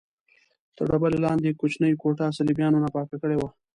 تر ډبرې لاندې کوچنۍ کوټه صلیبیانو ناپاکه کړې وه.